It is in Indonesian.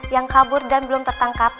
yang kabur dan belum tertangkap